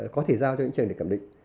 có thể giao cho những trường để cẩm định